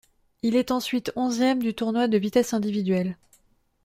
Il est ensuite onzième du tournoi de vitesse individuelle.